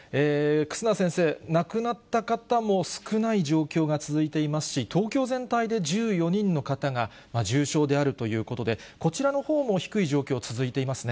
忽那先生、亡くなった方も少ない状況が続いていますし、東京全体で１４人の方が重症であるということで、こちらのほうも低い状況